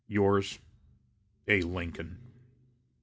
"Yours, "A. LINCOLN."